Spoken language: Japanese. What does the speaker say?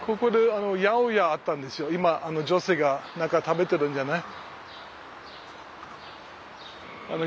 今女性が何か食べてるんじゃない。